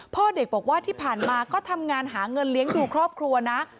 พ่อเด็กบอกว่าที่ผ่านมาก็ทำงานหาเงินเลี้ยงดูครอบครัวนะ